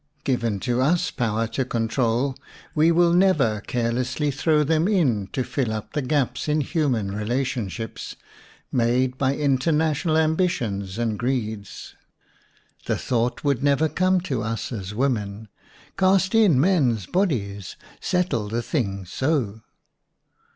Given to us power to control, we will never carelessly throw them in to fill up the gaps in human relation ships made by international ambitions and greeds. The thought would never come to us as women, "Cast in men's bodies; settle the thing so!"